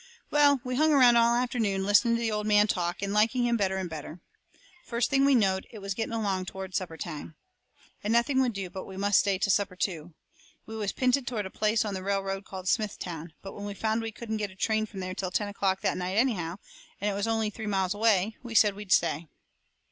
Well, we hung around all afternoon listening to the old man talk, and liking him better and better. First thing we knowed it was getting along toward supper time. And nothing would do but we must stay to supper, too. We was pinted toward a place on the railroad called Smithtown, but when we found we couldn't get a train from there till ten o'clock that night anyhow, and it was only three miles away, we said we'd stay.